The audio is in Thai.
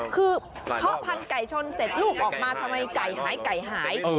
คือก็พันธุ์ไก่ชนเสร็จลูกทำมายไก่หายหาย